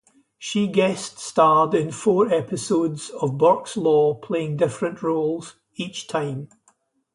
She guest-starred in four episodes of "Burke's Law", playing different roles each time.